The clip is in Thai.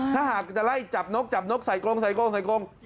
ถ้าหากจะไล่จับนกจับนกใส่กรงใส่กรงใส่กรง